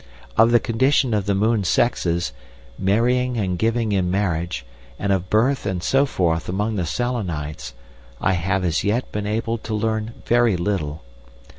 "Of the condition of the moon sexes, marrying and giving in marriage, and of birth and so forth among the Selenites, I have as yet been able to learn very little.